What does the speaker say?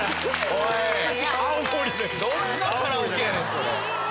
おいどんなカラオケやねんそれ。